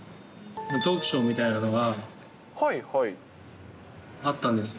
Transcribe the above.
トークショーみたいなのがあったんですよ。